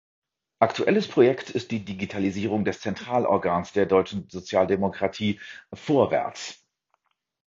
Aktuelles Projekt ist die Digitalisierung des Zentralorgans der deutschen Sozialdemokratie, "Vorwärts".